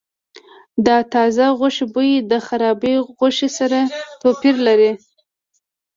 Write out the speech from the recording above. د تازه غوښې بوی د خرابې غوښې سره توپیر لري.